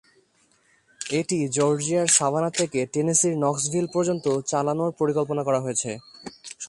এটি জর্জিয়ার সাভানা থেকে টেনেসির নক্সভিল পর্যন্ত চালানোর পরিকল্পনা করা হয়েছে।